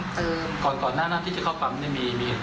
คือตอนนั้นเขาไม่มีพูดไม่รู้เรื่อง